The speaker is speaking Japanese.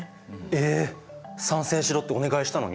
え参戦しろってお願いしたのに？